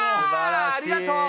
ありがとう。